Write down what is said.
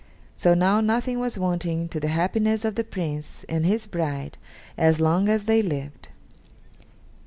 So now nothing was wanting to the happiness of the Prince and his bride as long as they lived.